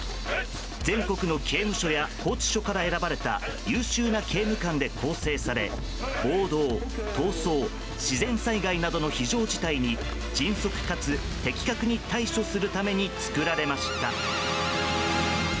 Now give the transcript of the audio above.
全国の刑務所や拘置所から選ばれた優秀な刑務官で構成され暴動、逃走、自然災害などの非常事態に迅速かつ的確に対処するために作られました。